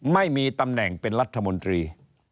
ไม่มีตำแหน่งเป็นรัฐมนตรี